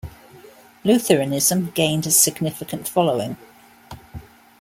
Lutheranism gained a significant following.